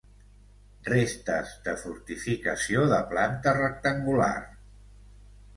Restes de fortificació de planta rectangular.